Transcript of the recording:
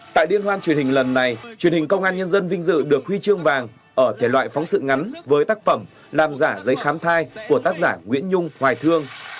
tại liên hoan truyền hình lần này truyền hình công an nhân dân vinh dự được huy chương vàng ở thể loại phóng sự ngắn với tác phẩm làm giả giấy khám thai của tác giả nguyễn nhung hoài thương